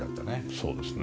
そうですね。